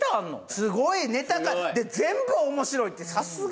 すごいネタ数で全部面白いってさすが！